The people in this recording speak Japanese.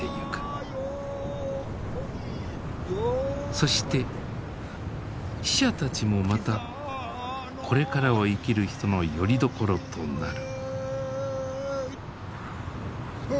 そして死者たちもまたこれからを生きる人のよりどころとなる。